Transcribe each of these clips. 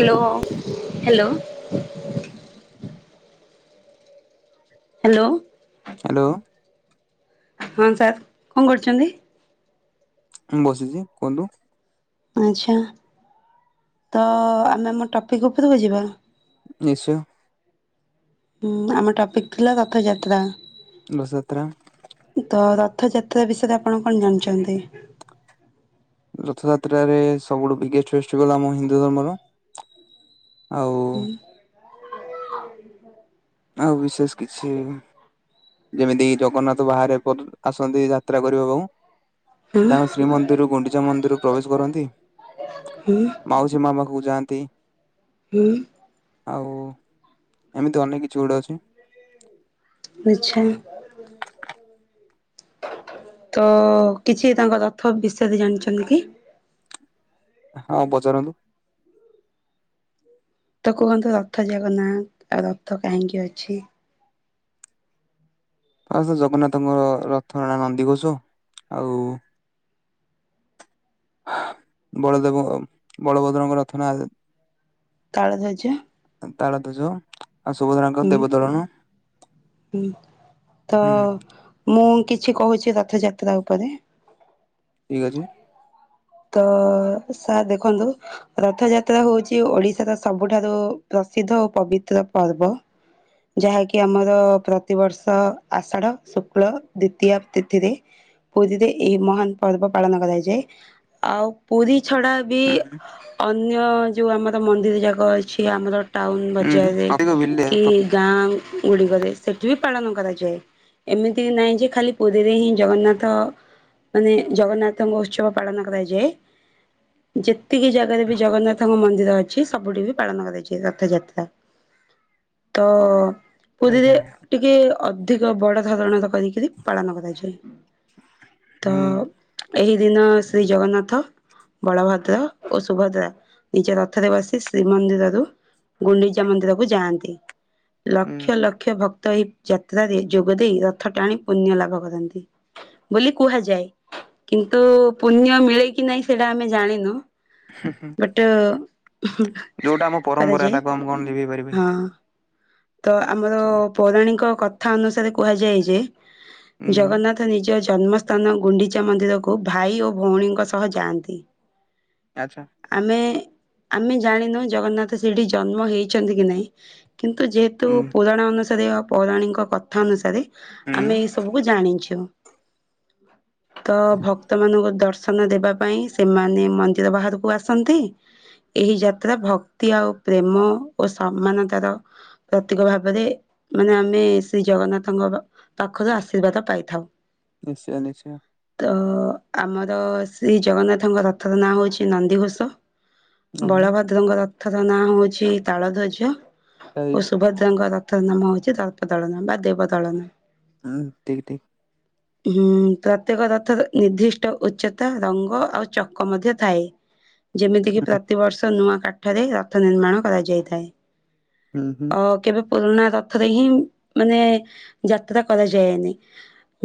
Hello. Hello. Hello. ହଁ sir କଣ କରୁଛନ୍ତି। ମୁଁ ବସିଛି କୁହନ୍ତୁ। ଆଚ୍ଛା ତ ଆମେ ଆମ ଟପିକ୍ ଉପରକୁ ଯିବା। ନିଶ୍ଚୟ। ହୁଁ ଆମ ଟପିକ ଥିଲା ରଥଯାତ୍ରା। ରଥଯାତ୍ରା। ଓ ରଥଯାତ୍ରା ବିଷୟରେ ଆପଣ କଣ ଜାଣିଛନ୍ତି। ରଥଯାତ୍ରରେ ସବୁଠୁ ବିଗେଷ୍ଟ ଫେଷ୍ଟିଭାଲ ଆମ ହିନ୍ଦୁ ଧର୍ମର ଆ ହୁଁ। ଆଉ ବିଶେଷ କିଛି। ଯେମିତି ଜଗନ୍ନାଥ ବାହାରେ ଆସନ୍ତି ଯାତ୍ରା କରିବା ବାକୁ। ହୁଁ ତାଙ୍କ ଶ୍ରୀମନ୍ଦିରରୁ ଗୁଣ୍ଡିଚା ମନ୍ଦିରରୁ ପ୍ରବେଶ କରନ୍ତି ହୁଁ ମାଉସୀ ମା ପାଖକୁ ଯାଆନ୍ତି। ହୁଁ। ଆଉ ଏମିତି ଅନେକ କିଛି ଗୁଡ଼େ ଅଛି। ଆଚ୍ଛା। ତ କିଛି ତାଙ୍କ ତଥ୍ୟ ବିଷୟରେ ଜାଣିଛନ୍ତି କି? ହଁ ପଚାରନ୍ତୁ? ତ କୁହନ୍ତୁ ରଥ ଯାକ ନା ଆଉ ରଥ କାହିଁକି ଅଛି? ଆଉ ଜଗନ୍ନାଥଙ୍କ ରଥ ହେଲା ନନ୍ଦିଘୋଷ ଆଉ ବଳଦେବ ବଳଭଦ୍ରଙ୍କ ରଥ ନା? ତାଳ ଧ୍ଵଜ। ତାଳ ଧୂଜ, ହୁଁ ହୁଁ ତ ହୁଁ ମୁଁ କିଛି କହୁଛି ରଥଯାତ୍ରା ଉପରେ? ଠିକ ଅଛି। ତ ସାର୍ ଦେଖନ୍ତୁ ରଥଯାତ୍ରା ହଉଛି ଓଡିଶାର ସବୁଠାରୁ ପ୍ରସିଦ୍ଧ ଓ ପବିତ୍ର ପର୍ବ। ଯାହାକି ଆମର ପ୍ରତିବର୍ଷ ଆଷାଢ, ଶୁକ୍ଳ, ଦ୍ଵିତୀୟ ତିଥିରେ ପୁରୀରେ ଏହି ମହାନ ପର୍ବ ପାଳନ କରାଯାଏ। ଆଉ ପୁରୀ ଛଡା ବି ହୁଁ ଅନ୍ୟ ଯୋଉଁ ଆମର ମନ୍ଦିର ଯାକ ଅଛି ଆମର ଟାଉନ ହୁଁ ହୁଁ ବଜାରରେ ଅଧିକ ବିଲେ କି ଗାଁ ଗୁଡି କରେ ସେଠି ବି ପାଳନ କରାଯାଏ। ଏମିତି ନାହିଁ ଯେ ଖାଲି ପୁରୀରେ ହିଁ ଜଗନ୍ନାଥ ମାନେ ଜଗନ୍ନାଥଙ୍କ ଉତ୍ସବ ପାଳନ କରାଯାଏ। ଯେତିକି ଜାଗାରେ ବି ଜଗନ୍ନାଥଙ୍କ ମନ୍ଦିର ଅଛି ସବୁଠି ବି ପାଳନ କରାଯାଏ ରଥଯାତ୍ରା। ତ ପୁରୀରେ ଆଜ୍ଞା ଆଜ୍ଞା। ଟିକେ ଅଧିକ ବଡ ଧରଣର କରିକିରି ପାଳନ କରାଯାଏ। ତ ହୁଁ ଏହି ଦିନ ଶ୍ରୀ ଜଗନ୍ନାଥ, ବଳଭଦ୍ର ଓ ସୁଭଦ୍ରା ନିଜ ରଥରେ ବସି ଶ୍ରୀମନ୍ଦିରରୁ ଗୁଣ୍ଡିଚା ମନ୍ଦିର କୁ ଯାଆନ୍ତି। ହୁଁ ଲକ୍ଷ ଲକ୍ଷ ଭକ୍ତ ତ ଏଇ ଯାତ୍ରାରେ ଯୋଗ ଦେଇେରଥ ଟାଣି ପୁଣ୍ୟ ଲାଭ କରନ୍ତି। ବୋଲି କୁହାଯାଏ କିନ୍ତୁ ପୁଣ୍ୟ ମିଳେ କିି ନାହିଁ ସେଇଟା ଆମେ ଜାଣିନୁ? ହୁଁ ହୁଁ ବଟ୍ ଯୋଉଟା ଆମ ପରମ୍ପରା କରାଯାଏ। ତାକୁ ଆମେ କଣ ଲିଭେଇ ପାରିବା କି? ହଁ, ତ ଆମର ସ ପୌରାଣିକ କଥା ଅନୁସାରେ କୁହାଯାଏ ଯେ ହୁଁ ହୁଁ ଜଗନ୍ନାଥ ନିଜ ଜନ୍ମସ୍ଥାନ ଗୁଣ୍ଡିଚା ମନ୍ଦିରକୁ ଭାଇ ଓ ଭଉଣୀଙ୍କ ସହ ଯାଆନ୍ତି। ଆଚ୍ଛା ଆମେ ଆମେ ଜାଣିନୁ ଜଗନ୍ନାଥ ସେଠି ଜନ୍ମ ହେଇଛନ୍ତି କି ନାହିଁ କିନ୍ତୁ ତୁ ଯେହେତୁ ହୁଁ ପୁରାଣ ଅନୁସାରେ ପୌରାଣିକ କଥା ଅନୁସାରେ ହୁଁ ଆମେ ଏଇ ସବୁକୁ ଜାଣିଛୁ। [inaudible] ତ ଭକ୍ତ ମାନଙ୍କୁ ଦର୍ଶନ ଦେବା ପାଇଁ ସେମାନେ ମନ୍ଦିର ବାହାରକୁ ଆସନ୍ତି। ଏହି ଯାତ୍ରା ଭକ୍ତି ଆଉ ପ୍ରେମ ଓ ସମ୍ମାନତାର ପ୍ରତିକ ଭାବରେ ମାନେ ଆମେ ଶ୍ରୀ ଜଗନ୍ନାଥଙ୍କ ପାଖରୁ ଆଶୀର୍ବାଦ ପାଇଥାଉ। ନିଶ୍ଚୟ ନିଶ୍ଚୟ। ତ ଆମର ଶ୍ରୀ ଜଗନ୍ନାଥଙ୍କ ରଥର ନାଁ ହଉଛି ନନ୍ଦିଘୋଷ। ଆଜ୍ଞା ବଳଭଦ୍ରଙ୍କ ରଥର ନାଁ ହଉଛି ତାଳ ଧ୍ୱଜ। ଓ ରାଇଟ୍ ସୁଭଦ୍ରାଙ୍କ ରଥ ନାମ ହଉଛି ତଳପ ଦଳନ ବା ଦେବଦଳନ। ଉଁ ଠିକ ଠିକ। ହୁଁ ପ୍ରତ୍ୟେକ ରଥର ନିର୍ଦ୍ଦିଷ୍ଟ ଉଚ୍ଚତା, ରଙ୍ଗ ଆଉ ଚକ ମଧ୍ୟ ଥାଏ। ଯେମିତି କିି ହୁଁ ପ୍ରତିବର୍ଷ ନୂଆ କାଠରେ ରଥ ନିର୍ମାଣ କରାଯାଇଥାଏ। ହୁଁ ହୁଁ। ଅ କେବେ ପୁରୁଣା ରଥରେ ହିଁ ମାନେ ଯାତ୍ରା କରାଯାଏନି?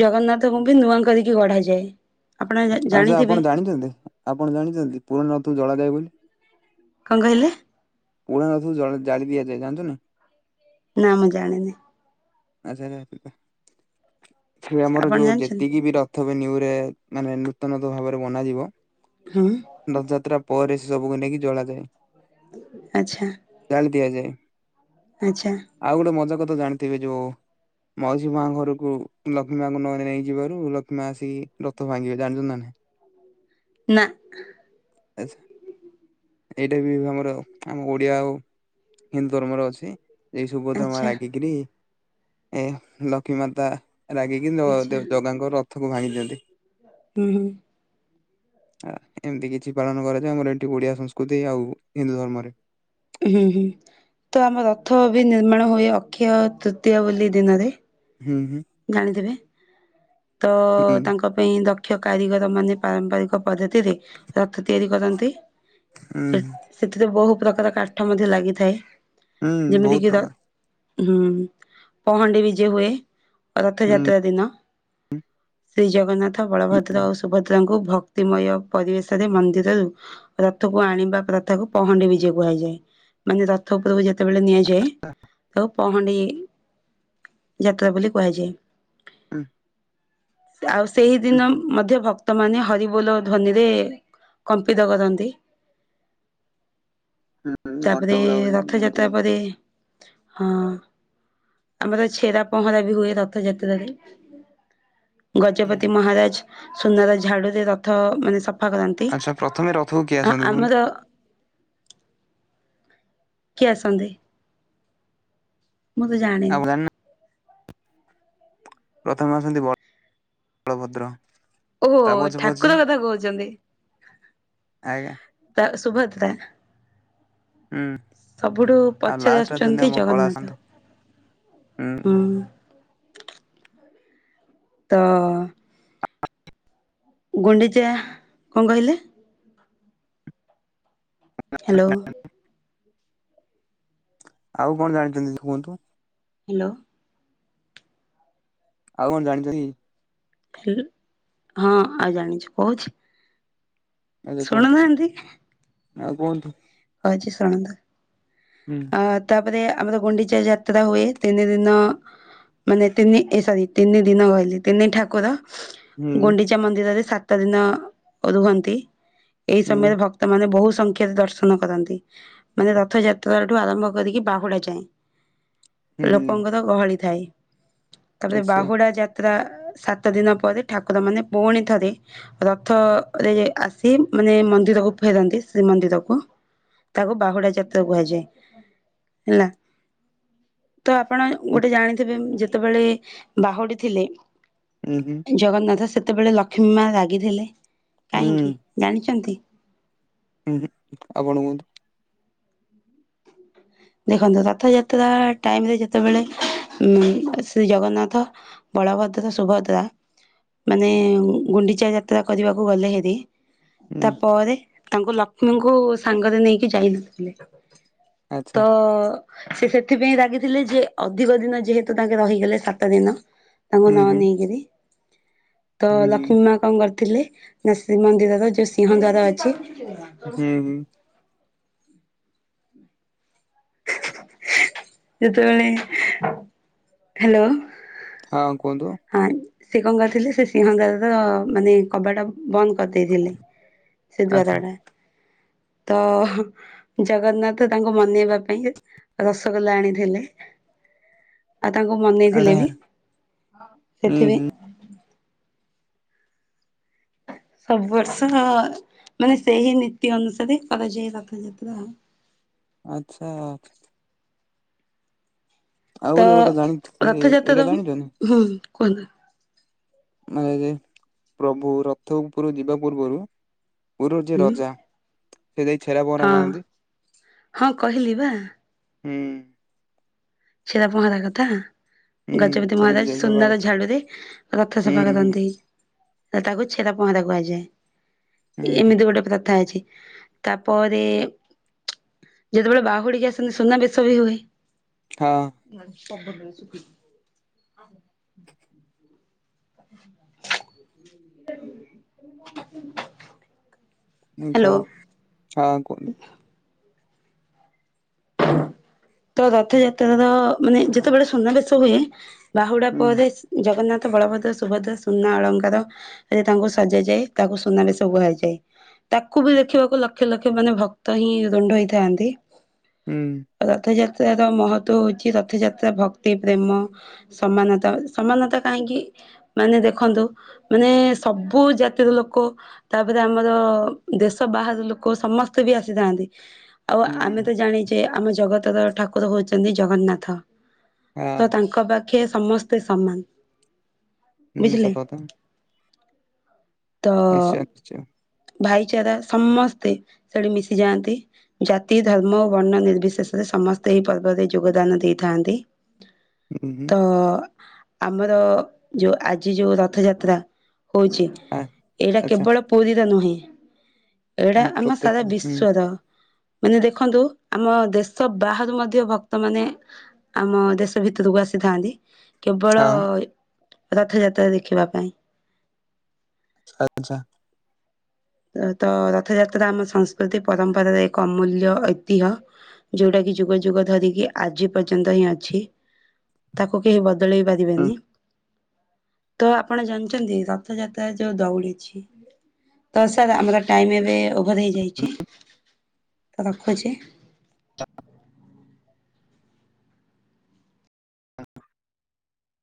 ଜଗନ୍ନାଥଙ୍କୁ ବି ନୂଆ କରିକି ଗଢାଯାଏ। ଆପଣ ଜା ଆଚ୍ଛା ଜାଣିଥିବେ ଆପଣ ଜାଣିଚନ୍ତି ଆପଣ ଜାଣିଚନ୍ତି ପୁରଣା ରଥକୁ ଜଳାଯାଏ ବୋଲି? କଁ କହିଲେ? ପୂରୁଣା ରଥକୁ ଜଳା ଜାଳି ଦିଆଯାଏ ଜାଣିଚନି ନା ମୁଁ ଜାଣିନି। [unintelligible] ସେ ଆମର ଆପଣ ଯୋଉ ଜାଣିଛନ୍ତି? ଯେତିକି ବି ରଥ ବି ନ୍ୟୁରେ ମାନେ ନୂତନତ ଭାବରେ ବନାଯିବ ହୁଁ ରଥଯାତ୍ରା ପରେ ସେ ସବୁକୁ ନେଇକି ଜଳାଯାଏ। ଆଚ୍ଛା ଜାଳି ଦିଆଯାଏ ଆଚ୍ଛା ଆଉ ଗୋଟେ ମଜା କ ଜାଣିଥିବେ ଯୋଉ ମାଉସୀ ମା ଘରୁକୁ ଲକ୍ଷ୍ମୀମାଙ୍କୁ ନେଇଯିବାରୁ ଲକ୍ଷ୍ମୀମା ଆସିକି ରଥ ଭାଙ୍ଗିବେ ଜାଣିଚନ୍ତି ନା ନାହଁ ନା ଆଚ୍ଛା। ଏଇଡ଼ାବି ବି ଆମର ଆମ ଓଡିଆ ଓ ହିନ୍ଦୁ ଧର୍ମର ଅଛି ଏଇ ସୁଭଦ୍ରା ମାଆ ଆଚ୍ଛା ରାଗିକିରି ଏଁ ଲକ୍ଷ୍ମୀ ମାତା ରାଗିକି ଜ ଆଚ୍ଛା ଜ ଜଗାଙ୍କ ରଥକୁ ଭାଙ୍ଗି ଦିଅନ୍ତି ଉଁହୁଁ ଏଁ ଏମିତି କିଛି ପାଳନ କରାଯାଏ। ଆମର ଏଠି ଓଡିଆ ସଂସ୍କୃତି ଆଉ ହିନ୍ଦୁ ଧର୍ମରେ। ଉଁହୁଁ ହୁଁ। ତ ଆମ ରଥ ବି ନିର୍ମାଣ ହୋଏ ଅକ୍ଷୟ ତୃତୀୟା ବୋଲି ଦିନରେ ହୁଁ ହୁଁ ଜାଣିଥିବେ ତ ହୁଁ ତାଙ୍କ ପାଇଁ ଦ କ୍ଷ କାରିଗର ମାନେ ପାରମ୍ପାରିକ ପଦ୍ଧତିରେ ରଥ ତିଆରି କରନ୍ତି। ହୁଁ ସେ ସେଥିରେ ବୋହୁ ପ୍ରକାର କାଠ ମଧ୍ୟ ଲାଗିଥାଏ। ହୁଁ ଯେମିତି ବୋହୁତ କିି ର ପ୍ରକାର ହୁଁ ପହଣ୍ଡି ବିଜେ ହୋଏ ହୁଁ। ରଥଯାାତ୍ରା ଦିନ ଶ୍ରୀ ଜଗନ୍ନାଥ ହୁଁ ବଳଭଦ୍ର ଆଉ ସୁଭଦ୍ରାଙ୍କୁ ଭକ୍ତିମୟ ପରିବେଶରେ ମନ୍ଦିରରୁ ରଥକୁ ଆଣିବା ପ୍ରଥାକୁ ପହଣ୍ଡି ବିଜେ କୁହାଯାଏ। ମାନେ ରଥ ଉପରକୁ ଜେ ଯେତେବେଳେ ନିଆଯାଏ। ତ ପହଣ୍ଡି ଯାତ୍ରା ବୋଲି କୁହାଯାଏ। [unintelligible] ସେ ଆଉ ହୁଁ ସେହିଦିନ ମଧ୍ୟ ଭ ଭକ୍ତମାନେ ହରିବୋଲ ଧ୍ୱନିରେ କମ୍ପିିତ କରନ୍ତି। ହୁଁ ଘଣ୍ଟ ତାପରେ ହୁଳା ହୁଳି ଯେମିତି ରଥଯାତ୍ରା ପରେ ହଁ ଆମର ଛେରା ପହଁରା ହୁଏ ରଥଯାତ୍ରାରେ ଗଜପତି ମହାରାଜ ସୁନାର ଝାଡୁରେ ରଥ ମାନେ ସ ଫା କରନ୍ତି ଆଚ୍ଛା ପ୍ରଥମେ ରଥକୁ କିଏ ଆଁ ଆସନ୍ତି କୁହନ୍ତୁ? ଆମର କିଏ ଆସନ୍ତି। ମୁଁ ତ ଜାଣିନି ଆପଣ ଜାଣିନା ପ୍ରଥମେ ଆସନ୍ତି ବଳଭଦ୍ର ଓହୋ ତା ପଛେ ପଛେ ଠାକୁର କଥା କୋହୁଚନ୍ତି ଆଜ୍ଞା ତା ସୁଭଦ୍ରା ହୁଁ ସବୁଠୁ ଆଉ ପଛରେ ଲାଷ୍ଟ ଅଛନ୍ତି ଆସୁଛନ୍ତି ଆମ ଜଗନ୍ନାଥ କଳାଶାନ୍ତ ହୁଁ। ତ ଗୁଣ୍ଡିଚା କଁ କହିଲେ ହାଲୋ ଆଉ କଣ ଜାଣିଚନ୍ତି ତ କୁହନ୍ତୁ। ହାଲୋ। ଆଉ କଣ ଜାଣିଚନ୍ତି। ହାଲ ହଁ ଆଉ ଜାଣିଚି କୋହୁଛି। ଆଉ ଶୁଣୁ କୁହନ୍ତୁ ନାହାନ୍ତି। ଆଉ କୁହନ୍ତୁ [unintelligible] ହୁଁ ଆ ତାପରେ ଆମର ଗୁଣ୍ଡିଚା ଯାତ୍ରା ହୁଏ ତିନି ଦିନ। ମାନେ ତିନି ଏ ସରି ତିନି ଦିନ କହିଲି ତିନି ଠାକୁର। ହୁଁ ଗୁଣ୍ଡିଚା ମନ୍ଦିରରେ ସାତ ଦିନ ରୁହନ୍ତି। ଏଇ ହୁଁ ସମୟରେ ଭକ୍ତମାନେ ବହୁ ସଂଖ୍ୟାରେ ଦର୍ଶନ କରନ୍ତି ମାନେ ରଥଯା ତ୍ରା ଠୁ ଆରମ୍ଭ କରିକି ବାହୁଡ଼ା ଯାଏଁ ହୁଁ ଲୋକଙ୍କର ଗହଳି ଥାଏ। ତାପରେ ନିଶ୍ଚୟ ବାହୁଡ଼ା ଯାତ୍ରା ସାତ ଦିନ ପରେ ଠାକୁର ମାନେ ପୁଣି ଥରେ ରଥ ରେ ଆସି ମାନେ ମନ୍ଦିରକୁ ଫେରନ୍ତି ଶ୍ରୀମନ୍ଦିରକୁ ତାକୁ ବାହୁଡ଼ା ଯାତ୍ରା କୁହାଯା ଯାଏ ହେଲା ତ ଆପଣ ଗୋଟେ ଜାଣିଥିବେ ଯେତେବେଳେ ବାହୁଡ଼ି ଥିଲେ ହୁଁ ହୁଁ ଜଗନ୍ନାଥ ସେତ୍ ସେତେବେଳେ ଲକ୍ଷ୍ମୀ ମା ରାଗିଥିଲେ କାହିଁକି ଜାଣିଛନ୍ତି। ଉ ହୁଁ ଆପଣ କୁହନ୍ତୁ। ଦେଖନ୍ତୁ ରଥଯାତ୍ରା ଟାଇମ ରେ ଯେତେବେଳେ। ଉଁ ଶ୍ରୀ ଜଗନ୍ନାଥ ବଳଭଦ୍ର ସୁଭଦ୍ରା। ମାନେ ଗୁଣ୍ଡିଚା ଯାତ୍ରା କରିବାକୁ ଗଲେ ହେରି। ହୁଁ ତାପରେ ତାଙ୍କୁ ଲକ୍ଷ୍ମୀଙ୍କୁ ସାଙ୍ଗରେ ନେଇକି ଯାଇନଥିଲେ। ଆଚ୍ଛା ତ ସେ ସେଥିପାଇଁ ରାଗିଥିଲେ ଯେ ଅଧିକ ଦିନ ଯେହେତୁ ତାଙ୍କେ ରହିଗଲେ ସାତ ଦିନ। ତାଙ୍କୁ ହୁଁ ନ ହୁଁ ନେଇକିରି। ତ ହୁଁ ଲକ୍ଷ୍ମୀ ମା କଣ କରିଥିଲେ ନା ଶ୍ରୀମନ୍ଦିରର ଯୋଉ ସିଂହଦ୍ୱାର ଅଛି। ହୁଁ ହୁଁ ହୁଁ [unintelligible] ଯେତେବେଳେ ହ୍ୟାଲୋ। ହଁ କୁହନ୍ତୁ। ହଁ ସେ କଣ କରିଥିଲେ ସେ ସିଂହଦ୍ୱାର ର ମାନେ କବାଟ। ବନ୍ଦ କରିଦେଇଥିଲେ ସେ ଦ୍ୱାର ଆଚ୍ଛା ଟା। ତ ଜଗନ୍ନାଥ ତାଙ୍କୁ ମନେଇବା ପାଇଁ ରସଗୋଲା ଆଣିଥିଲେ। ଆଉ ତାଙ୍କୁ ମନେଇଥିଲେ ଆଚ୍ଛା ବି ହୁଁ ସେଥିପାଇଁ। ହୁଁ [inaudible] ସବୁ ବର୍ଷ ମାନେ ସେହି ନୀତି ଅନୁସାରେ କରାଯାଏ ରଥଯାତ୍ରା। [inaudible] ଆଚ୍ଛା ଆଚ୍ଛା। ଆଉ ତ ଗୋଟେ କଥା ଜାଣିଛି ଯେ ଏଇଟା ରଥଯାତ୍ରା ଜାଣିଛନ୍ତି। ହୁଁ କୁହନ୍ତୁ [unintelligible] ପ୍ରଭୁ ରଥ ଉପରୁ ଯିବା ପୂର୍ବରୁ ଗୁରୁଯି ହୁଁ ରଜା। ସେ ଜାଇ ଛେରା ପହଁରା ହଁ ମାରନ୍ତି ହଁ କହିଲି ବା ହୁଁ। ଛେରା ପହଁରା କଥା। ହୁଁ ଗଜପତି ସେମିତି ମହାରାଜ ଯାଇକି ସୁନ୍ଦର ମାରନ୍ତି। ଝାଡ଼ୁରେ ରଥ ହୁଁ ସଫା ହୁଁ କରନ୍ତି। ତାକୁ ଛେରା ପହଁରା ହୁଁ କୁହାଯାଏ ହୁଁ ଏମିତି ଗୋଟେ ପ୍ରଥା ଅଛି। ତାପରେ ଯେତେବେଳେ ବାହୁଡ଼ିକି ଆସନ୍ତି ସୁନା ବେଶ ବି ହୁଏ। ହଁ। [unintelligible] [unintelligible] ଉଁ ଛା ହ୍ୟାଲୋ ହଁ କୁହନ୍ତୁ। ତ ରଥଯାତ୍ରାତ ମାନେ ଯେତେବେଳେ ସୁନା ବେସ ହୁଏ। ବାହୁଡ଼ା ହୁଁ ପରେ ଜଗନ୍ନାଥ ବଳଭଦ୍ର ସୁଭଦ୍ରା। ସୁନା ଅଳଙ୍କାର ରେ ତାଙ୍କୁ ସଜେଇ ଯାଏ ତାକୁ ସୁନାରେ ସବୁ ହେଇଯାଏ। ତାକୁ ବି ଦେଖିବାକୁ ଲକ୍ଷ ଲକ୍ଷ ମାନେ ଭକ୍ତ ହିଁ ରୁଣ୍ଡ ହେଇଥାନ୍ତି। ହୁଁ ଆ ତ ଯା ଯ ର ମହତଵ ହଉଛି ରଥଯାତ୍ରା ଭକ୍ତି ପ୍ରେମ ସମାନତା ସମାନତା କାହିଁକି ମାନେ ଦେଖନ୍ତୁ ମାନେ ସବୁ ଜାତିର ଲୋକ ତାପରେ ଆମର ଦେଶ ବାହାର ଲୋକ ସମସ୍ତେ ବି ଆସିଥାନ୍ତି ଆଉ ହୁଁ ଆମେ ତ ଜାଣିଛେ ଆମ ଜଗତର ଠାକୁର ହଉଛନ୍ତି ଜଗନ୍ନାଥ ହଁ ତ ତାଙ୍କ ପାଖେ ସମସ୍ତେ ସମାନ ହୁଁ ବୁଝିଲେ ସତଥା ତ ନିଶ୍ଚୟ ନିଶ୍ଚୟ ଭାଇଚାରା ସମସ୍ତେ ସେଠି ମିଶି ଯାଆନ୍ତି ଜାତି ଧର୍ମ ଓ ବର୍ଣ୍ଣ ନିର୍ବିଶେଷରେ ସମସ୍ତେ ଏହି ପର୍ବରେ ଯୋଗଦାନ ଦେଇଥାନ୍ତି ହୁଁ ହୁଁ ତ ଆମର ଯୋଉ ଆଜି ଯୋଉ ରଥଯାତ୍ରା ହଉଛି ଆ ଏଇଟା ଆଚ୍ଛା କେବଳ ପୁରୀର ନୁହେଁ ଏଇଟା ଆମ ପ୍ରତ୍ୟେକ ସାରା ହୁଁ ହଁ ବିଶ୍ଵର ମାନେ ଦେଖନ୍ତୁ ଆମ ଦେଶ ବାହାରୁ ମଧ୍ୟ ଭକ୍ତ ମାନେ ଆମ ଦେଶ ଭିତରକୁ ଆସି ଆସିଥାନ୍ତି କେବଳ ରଥଯାତ୍ରା ଦେଖିବା ପାଇଁ ଆଚ୍ଛା ତ ତ ରଥଯାତ୍ରା ଆମ ସଂସ୍କୃତି ପରମ୍ପରାର ଏକ ଅମୂଲ୍ୟ ଐତିହ୍ୟ ଯୋଉଟା କି ଯୁଗ ଯୁଗ ଧରିକି ଆଜି ପର୍ଯ୍ୟନ୍ତ ହିଁ ଅଛି ତାକୁ କେହି େଇ ହୁଁ ପଦିବନି ତ ଆପଣ ଜାଣିଛନ୍ତି ରଥଯାତ୍ରା ଯୋଉ ଦଉଡ଼ି ଅଛି ତ ସାର୍ ଆମର ଟାଇମ୍ ଏବେ ଓଭର୍ ହେଇଯାଇଛି ତ ରଖୁଛି